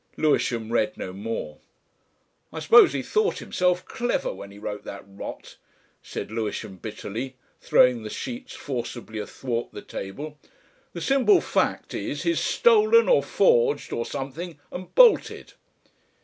Lewisham read no more. "I suppose he thought himself clever when he wrote that rot," said Lewisham bitterly, throwing the sheets forcibly athwart the table. "The simple fact is, he's stolen, or forged, or something and bolted."